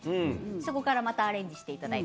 そこからまたアレンジしていただいて。